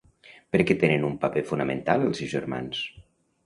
Per què tenen un paper fonamental els seus germans?